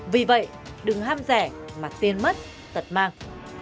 vì vậy đừng ham rẻ mà tiền mất tật mang